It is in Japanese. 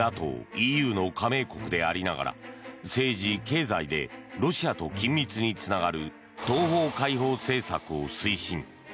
ＮＡＴＯ、ＥＵの加盟国でありながら政治・経済でロシアと緊密につながる東方開放政策を推進。